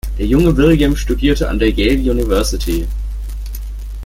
Der junge William studierte an der Yale University.